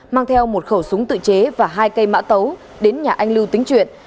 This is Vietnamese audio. mang theo một khẩu súng tự chế và hai cây mã tấu đến nhà anh lưu tính chuyện